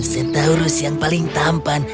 centaurus yang paling tampan